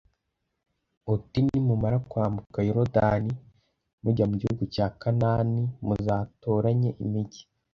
uti ’nimumara kwambuka yorudani mujya mu gihugu cya kanahani muzatoranye imigi